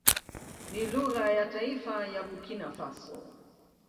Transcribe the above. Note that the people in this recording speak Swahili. Ni lugha ya taifa ya Burkina Faso.